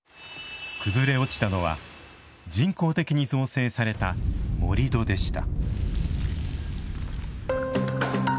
崩れ落ちたのは人工的に造成された盛土でした。